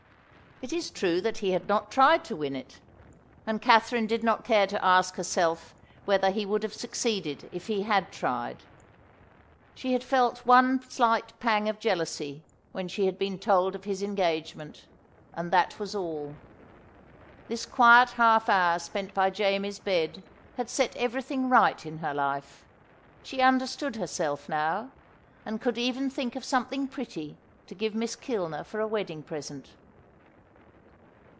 It is true that he had not tried to win it, and Katherine did not care to ask herself whether he would have succeeded if he had tried. She had felt one slight pang of jealousy when she had been told of his engagement, and that was all. This quiet half hour spent by Jamie's bed had set everything right in her life. She understood herself now, and could even think of something pretty to give Miss Kilner for a wedding present.